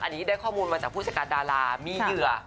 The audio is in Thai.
อันนี้ได้ข้อมูลมาจากผู้จัดการดารามีเหยื่อ